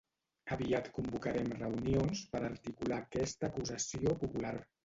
Aviat convocarem reunions per articular aquesta acusació popular.